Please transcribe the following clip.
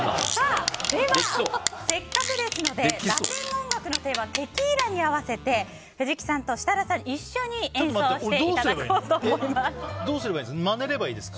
ではせっかくですのでラテン音楽の定番「テキーラ」に合わせて藤木さんと設楽さん、一緒に演奏していただこうと思います。